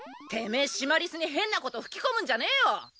てめえシマリスに変なこと吹き込むんじゃねえよ！